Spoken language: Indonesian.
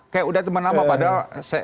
kayak udah teman lama padahal